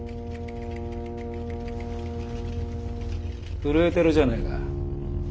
震えてるじゃねえか。